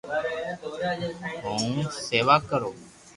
ھون سيوا ڪرو